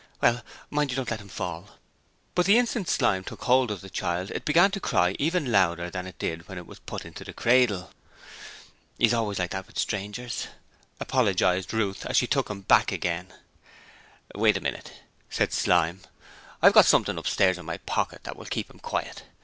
'Well, mind you don't let him fall.' But the instant Slyme took hold of the child it began to cry even louder than it did when it was put into the cradle. 'He's always like that with strangers,' apologized Ruth as she took him back again. 'Wait a minute,' said Slyme, 'I've got something upstairs in my pocket that will keep him quiet.